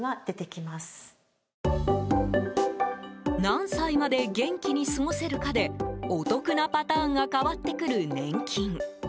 何歳まで元気に過ごせるかでお得なパターンが変わってくる年金。